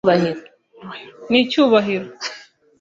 n'icyubahiro